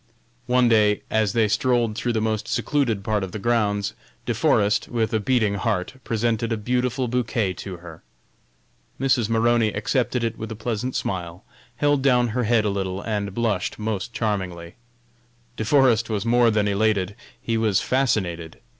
One day, as they strolled through the most secluded part of the grounds, De Forest, with a beating heart, presented a beautiful bouquet to her. Mrs. Maroney accepted it with a pleasant smile, held down her head a little and blushed most charmingly. De Forest was more than elated, he was fascinated.